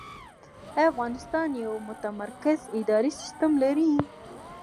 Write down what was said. آیا افغانستان یو متمرکز اداري سیستم لري؟